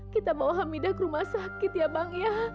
kita bawa hamidah ke rumah sakit ya bang ya